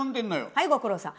はいご苦労さん。